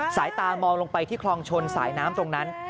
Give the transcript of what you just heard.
สายตามองลงไปที่คลองชนสายน้ำตรงนั้น